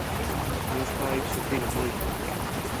Os meus pais sufriron moito.